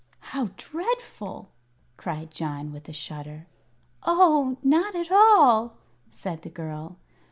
"How dreadful!" cried John, with a shudder. "Oh, not at all!" said the girl.